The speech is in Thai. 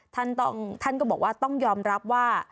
ท่านก็บอกว่าต้องยอมรับว่า